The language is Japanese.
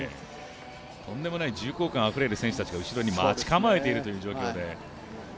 とんでもない重厚感あふれる選手たちが後ろで待ち構えているという状況で。